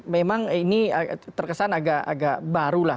memang ini terkesan agak agak baru lah